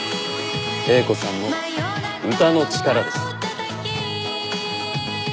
英子さんの歌の力です。